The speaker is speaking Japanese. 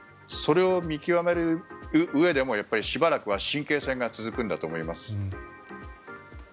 それを見極めるうえでもしばらくは神経戦が続くんだと思います。